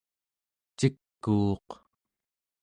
cikuuq